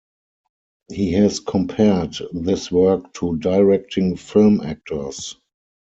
He has compared this work to directing film actors.